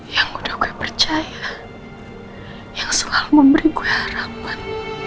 yang udah gue percaya yang selalu memberi gue harapan